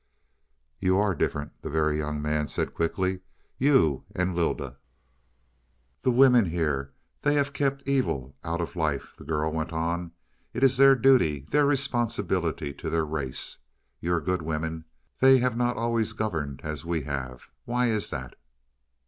"You are different," the Very Young Man said quickly. "You and Lylda." "The women here, they have kept the evil out of life," the girl went on. "It is their duty their responsibility to their race. Your good women they have not always governed as we have. Why is that?"